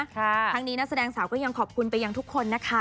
ทั้งนี้นักแสดงสาวก็ยังขอบคุณไปยังทุกคนนะคะ